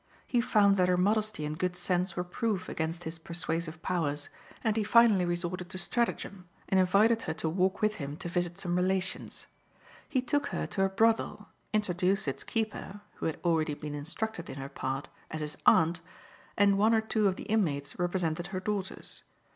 He found that her modesty and good sense were proof against his persuasive powers, and he finally resorted to stratagem, and invited her to walk with him to visit some relations. He took her to a brothel, introduced its keeper (who had already been instructed in her part) as his aunt, and one or two of the inmates represented her daughters.